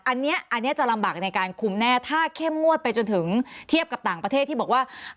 อันนี้จะลำบากในการคุมแน่ถ้าเข้มงวดไปจนถึงเทียบกับต่างประเทศที่บอกว่า